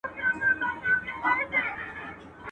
o څنگه وي هغه سياه بخته، چي څلوېښت ورځي نه وي خوشبخته.